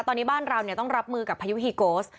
ตอนนี้บ้านเราต้องรับมือกับพายุฮีโกส